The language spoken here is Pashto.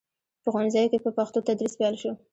په ښوونځیو کې په پښتو تدریس پیل شو.